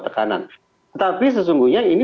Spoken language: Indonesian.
tekanan tetapi sesungguhnya ini